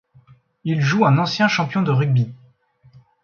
Il joue un ancien champion de rugby.